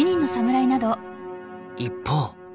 一方。